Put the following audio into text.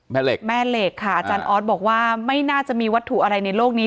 แม่เหล็กค่ะอาจารย์ออสบอกว่าไม่น่าจะมีวัตถุอะไรในโลกนี้